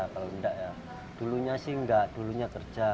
kalau enggak ya dulunya sih enggak dulunya kerja